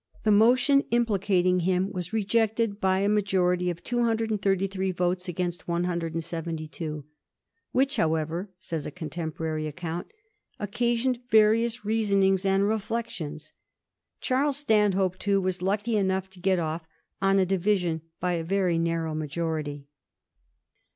The motion impli cating him was rejected by a majority of 233 votes against 172, * which, however,' says a contemporary account, ^occasioned various reasonings and reflec tions/ Charles Stanhope, too, was lucky enough to get off^, on a division, by a very narrow majority.